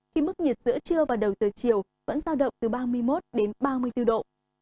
khi mức nhiệt giữa trưa và đầu từ chiều vẫn giao động từ ba mươi một đến ba mươi bốn độ